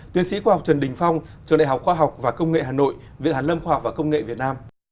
tiến sĩ khoa học trần đình phong trường đại học khoa học và công nghệ hà nội viện hàn lâm khoa học và công nghệ việt nam